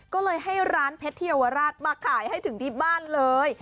ก็เลยให้ร้านเพชรที่เยาวราชมาขายให้ถึงที่บ้านเลย